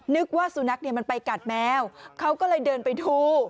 นึกว่าสุนัขเนี่ยมันไปกัดแมวเขาก็เลยเดินไปดู